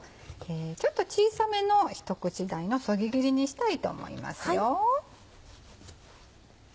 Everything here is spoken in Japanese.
ちょっと小さめの一口大のそぎ切りにしたいと思います。